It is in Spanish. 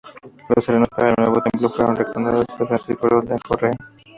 Los terrenos para el nuevo templo fueron donados por Francisco Roldán Correa.